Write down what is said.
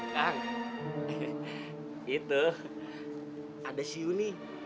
kang itu ada si yuni